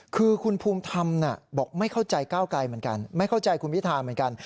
คือคุณภูมิธรรมบอกไม่เข้าใจก้าวไกลเหมือนกันไม่เข้าใจคุณพิธาเหมือนกัน